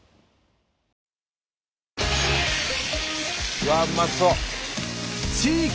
うわっうまそう！